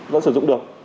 vẫn sử dụng được